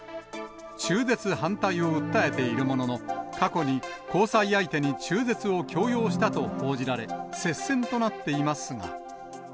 中絶反対を訴えているものの、過去に交際相手に中絶を強要したと報じられ、接戦となっていますが。